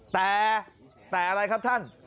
แต่อะไรครับท่าน